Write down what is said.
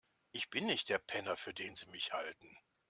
Ich bin nicht der Penner, für den Sie mich halten.